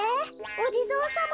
おじぞうさま？